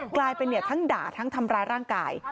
กลายเป็นทั้งด่าทั้งทำร้ายร่างกาย